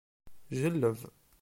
Ǧelleb.